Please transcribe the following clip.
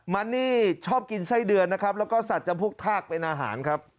มันนี่ชอบกินไส้เดือนนะครับแล้วก็สัตว์จำพวกทากเป็นอาหารครับ